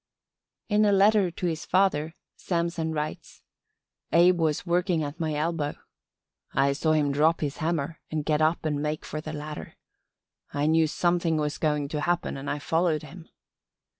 In a letter to his father Samson writes: "Abe was working at my elbow. I saw him drop his hammer and get up and make for the ladder. I knew something was going to happen and I followed him.